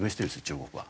中国は。